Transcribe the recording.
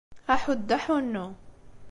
Aḥuddu aḥunnu!